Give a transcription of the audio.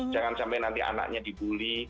jangan sampai nanti anaknya dibully